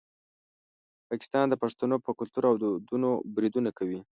پاکستان د پښتنو په کلتور او دودونو بریدونه کوي.